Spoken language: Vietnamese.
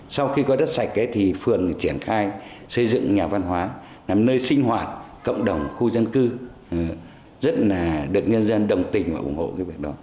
sau khi có đất sạch thì phường triển khai xây dựng nhà văn hóa là nơi sinh hoạt cộng đồng khu dân cư rất là được nhân dân đồng tình và ủng hộ cái việc đó